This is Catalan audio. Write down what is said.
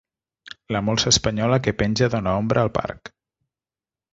La molsa espanyola que penja dóna ombra al parc.